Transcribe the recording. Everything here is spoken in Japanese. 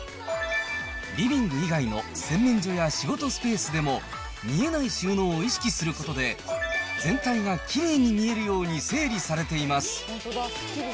リビング以外の洗面所や仕事スペースでも、見えない収納を意識することで、全体がきれいに見えるように整理されています。